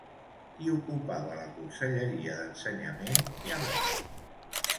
Qui ocupava la conselleria d'Ensenyament llavors?